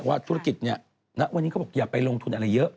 ว่าธุรกิจเนี่ยณวันนี้เขาบอกอย่าไปลงทุนอะไรเยอะ